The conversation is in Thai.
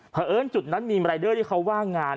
พอเอิ้นจุดนั้นมีรายเด้อที่เขาว่างาน